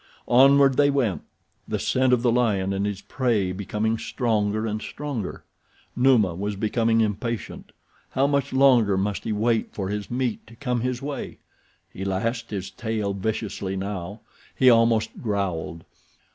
Onward they went, the scent of the lion and his prey becoming stronger and stronger. Numa was becoming impatient. How much longer must he wait for his meat to come his way? He lashed his tail viciously now. He almost growled.